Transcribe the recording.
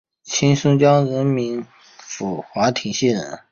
清松江府华亭县人。